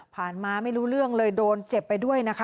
มาไม่รู้เรื่องเลยโดนเจ็บไปด้วยนะคะ